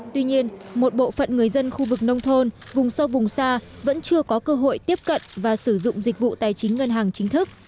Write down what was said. tuy nhiên một bộ phận người dân khu vực nông thôn vùng sâu vùng xa vẫn chưa có cơ hội tiếp cận và sử dụng dịch vụ tài chính ngân hàng chính thức